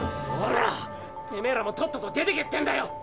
てめえらもとっとと出てけってんだよ！